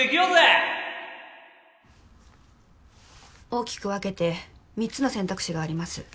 大きく分けて３つの選択肢があります。